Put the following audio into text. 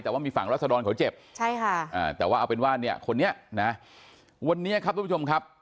แต่ว่ามีฝั่งรัศดรเขาเจ็บใช่ค่ะอ่าแต่ว่าเอาเป็นว่าเนี่ยคนนี้นะวันนี้ครับทุกผู้ชมครับ